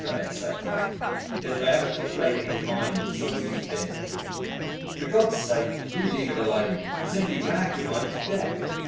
etc. He is for ever titillating his mind with some new thing. "For God's sake, do leave it alone you simply rag your mind to death.